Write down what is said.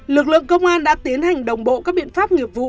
lực lượng công an đã tiến hành đồng bộ các biện pháp nghiệp vụ